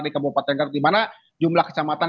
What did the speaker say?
di kabupaten garut di mana jumlah kecamatan